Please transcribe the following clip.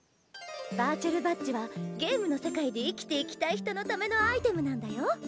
バーチャルバッジはゲームの世界で生きていきたい人のためのアイテムなんだよ。